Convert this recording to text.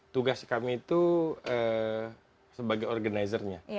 tugas kami itu sebagai organizernya